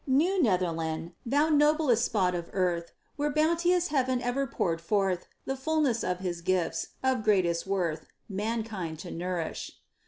New Netherland, thou noblest spot of earth, Where Bounteous Heaven ever poureth forth The fulness of His gifts, of greatest worth, Mankind to nourish.